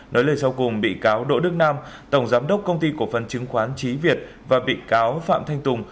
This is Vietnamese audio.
nói lời sau cùng bị cáo đỗ đức nam tổng giám đốc công ty cổ phần chứng khoán trí việt và bị cáo phạm thanh tùng